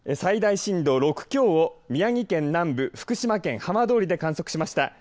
最大震度６強を宮城県南部福島県浜通りで観測しました。